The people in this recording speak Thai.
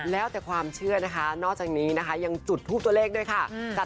แล้วแต่ความเชื่อนะคะนอกจากนี้นะคะยังจุดทูปตัวเลขด้วยค่ะ